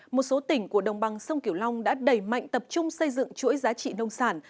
một số tỉnh của đồng bằng sông kiểu long đã đẩy mạnh tập trung xây dựng chuỗi giá trị nông sản